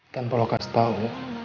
tanpa lo kasih tau